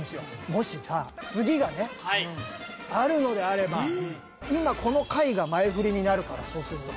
もしさ次がねあるのであれば今この回が前フリになるからそうすると。